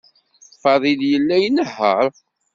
Fadil yella inehheṛ.